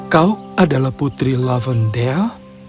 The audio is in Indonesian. kau adalah putri lavendel